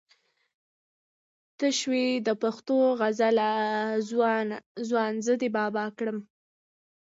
ته شوې د پښتو غزله ځوان زه دې بابا کړم